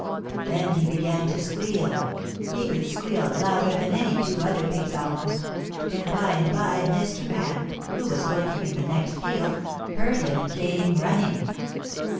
"Then he began to squeal. He could squeal louder than any two other pigs almost, and by and by Mr. Man, who was working in the next field, heard him and came running.